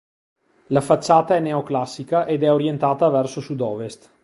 La facciata è neoclassica ed è orientata verso sud ovest.